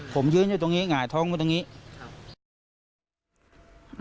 ผมยืนอยู่ตรงนี้หงายท้องมาตรงนี้ครับ